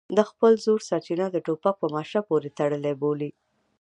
د خپل زور سرچینه د ټوپک په ماشه پورې تړلې بولي.